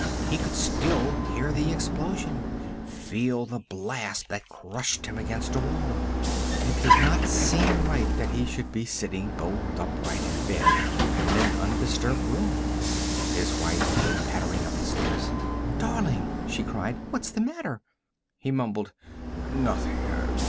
He could still hear the explosion, feel the blast that crushed him against a wall. It did not seem right that he should be sitting bolt upright in bed in an undisturbed room. His wife came pattering up the stairs. "Darling!" she cried. "What's the matter?" He mumbled, "Nothing.